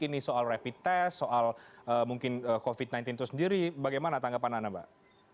ini soal rapid test soal mungkin covid sembilan belas itu sendiri bagaimana tanggapan anda mbak